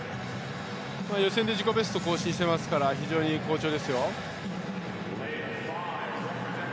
予選で自己ベストを更新していますから非常に好調ですよ。